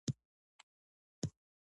لیدل مهم دی.